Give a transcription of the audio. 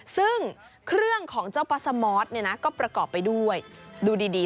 ซึ่งเครื่องของเจ้าปัสสมอสเนี่ยนะก็ประกอบไปด้วยดูดี